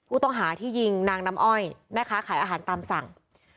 ผู้ต้องหาที่ยิงนางน้ำอ้อยแม่ค้าขายอาหารตามสั่ง